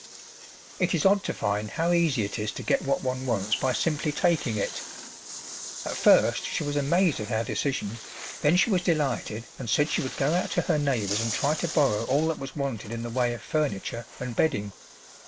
It is odd to find how easy it is to get what one wants by simply taking it! At first she was amazed at our decision, then she was delighted and said she would go out to her neighbours and try to borrow all that was wanted in the way of furniture and bedding.